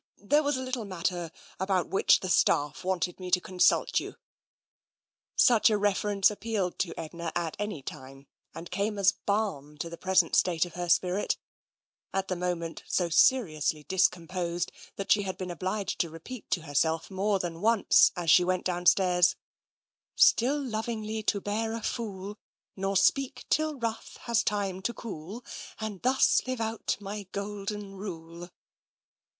There was a little matter about which the staff wanted me to consult you." Such a reference appealed to Edna at any time, and came as balm to the present state of her spirit, at the moment so seriously discomposed that she had been obliged to repeat to herself more than once, as she went downstairs :" Still lovingly to bear a fool, Nor speak till wrath has time to cool. And thus live out my golden rule."